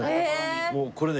もうこれね